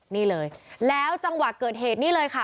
นี่เลยแล้วจังหวะเกิดเหตุนี่เลยค่ะ